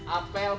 apel pagi selesai